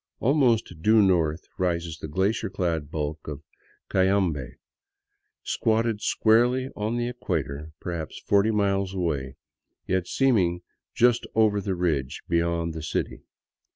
Almost due north rises the glacier clad bulk of Cayambe, squatted squarely on the equator, perhaps forty miles away, yet seem ing just over the ridge beyond the city.